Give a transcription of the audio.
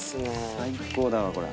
最高だわこりゃ。